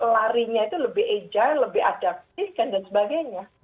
larinya itu lebih ejak lebih adaptif kan dan sebagainya